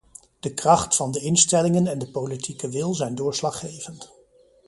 De kracht van de instellingen en de politieke wil zijn doorslaggevend.